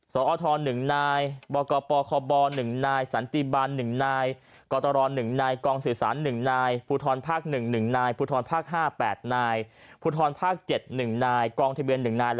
สออทรหนึ่งนายบกปคบหนึ่งนายสันติบันหนึ่งนายกตรหนึ่งนาย